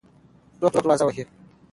څوک دروازه وهي؟